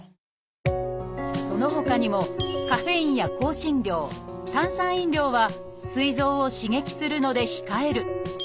そのほかにもカフェインや香辛料炭酸飲料はすい臓を刺激するので控える。